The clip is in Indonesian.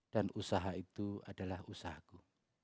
dan usaha itu adalah usahaku